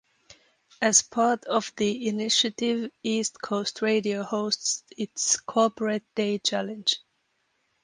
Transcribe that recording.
As part of the initiative East Coast Radio hosts its Corporate Day Challenge.